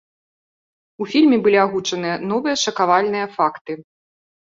У фільме былі агучаныя новыя шакавальныя факты.